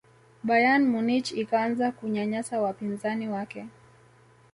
bayern munich ikaanza kunyanyasa wapinzani wake